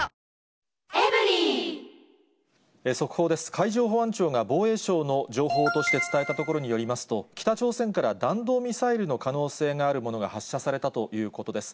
海上保安庁が防衛省の情報として伝えたところによりますと、北朝鮮から弾道ミサイルの可能性があるものが発射されたということです。